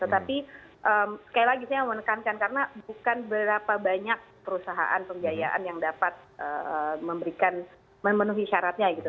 tetapi sekali lagi saya menekankan karena bukan berapa banyak perusahaan pembiayaan yang dapat memberikan memenuhi syaratnya gitu